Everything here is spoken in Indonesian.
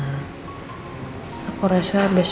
aku rasa besok kayak kita harus kasih kejutan dia buat dia